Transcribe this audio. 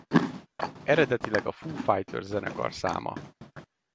Eredetileg a Foo Fighters zenekar száma.